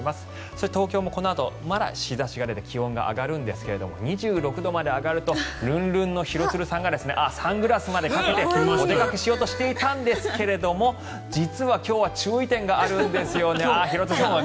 そして、東京もこのあとまだ日差しが出て気温が上がるんですが２６度まで上がるとルンルンの廣津留さんがサングラスまでかけてお出かけしようとしていたんですが実は今日は注意点があるんです。